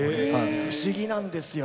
不思議なんですよ。